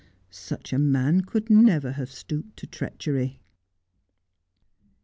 Such a man could never have stooped to treachery